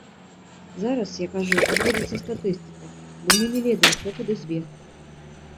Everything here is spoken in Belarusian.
Зараз, я кажу, падводзіцца статыстыка, бо мы не ведаем, хто куды збег.